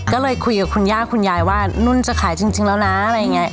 ก็เลยคุยกับคุณย่าคุณยายว่านุ่นจะขายจริงแล้วนะอะไรอย่างนี้